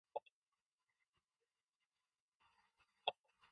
Emma's parents helped her and Joseph obtain a house and a small farm.